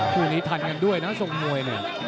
ต้องกินทางแล้วกันด้วยนะส่วนมวย